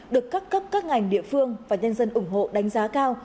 được các cấp các ngành địa phương và nhân dân ủng hộ đánh giá cao